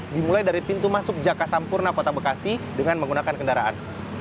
dimulai dari pintu masuk jaka sampurna kota bekasi dengan menggunakan kendaraan